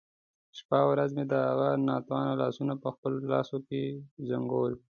شپه او ورځ مې د هغه ناتوانه لاسونه په خپلو لاسو کې زنګول.